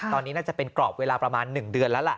ตอนนี้น่าจะเป็นกรอบเวลาประมาณ๑เดือนแล้วล่ะ